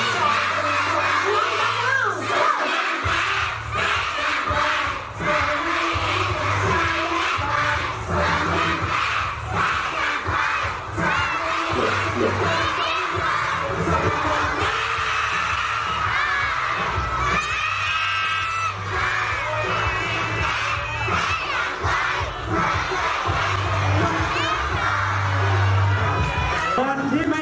สวัสดีค่ะ